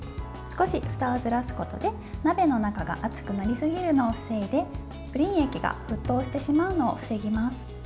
少しふたをずらすことで鍋の中が熱くなりすぎるのを防いでプリン液が沸騰してしまうのを防ぎます。